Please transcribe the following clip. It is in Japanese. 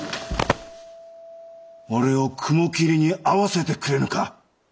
俺を雲霧に会わせてくれぬか？